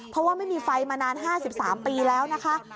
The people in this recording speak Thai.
เพราะว่าไม่มีไฟมานาน๕๓ปีแล้วนะคะ